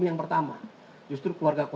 yang pertama justru keluarga